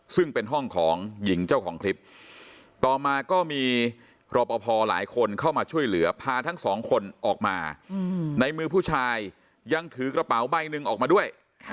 ซึ่งเป็นห้องของหญิงเจ้าของคลิปต่อมาก็มีรอปภหลายคนเข้ามาช่วยเหลือพาทั้งสองคนออกมาในมือผู้ชายยังถือกระเป๋าใบหนึ่งออกมาด้วย